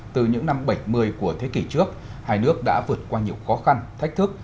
từ những năm bảy mươi của thế kỷ trước hai nước đã vượt qua nhiều khó khăn thách thức